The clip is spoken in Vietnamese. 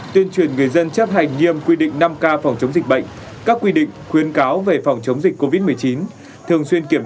trên kênh bản chỉ đạo chiều trực giao bộ lộ covid một mươi chín trên quảng nam